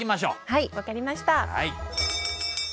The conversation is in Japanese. はい分かりました。